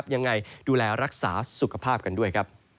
ยังไงดูแลรักษาสุขภาพกันด้วยครับ